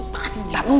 apa ini udah ngering